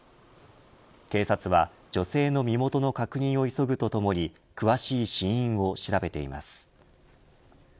警察は女性の身元の確認を急ぐとともに詳しい死因を調べています。